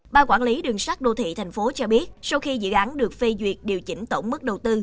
ba quản lý đường sát đô thị thành phố cho biết sau khi dự án được phê duyệt điều chỉnh tổng mức đầu tư